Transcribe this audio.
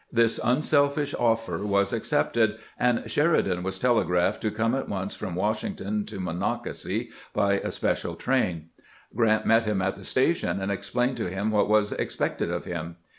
This unselfish offer was accepted, and Sheridan was telegraphed to come at once from Washington to Monocacy by a special train. Grant met him at the station, and explained to him what was expected of him.